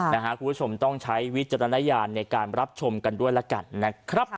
คุณผู้ชมต้องใช้วิจารณญาณในการรับชมกันด้วยแล้วกันนะครับ